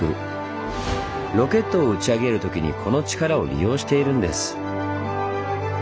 ロケットを打ち上げるときにこのチカラを利用しているんです。